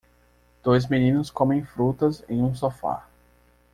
Dois meninos comem frutas em um sofá.